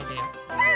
うん！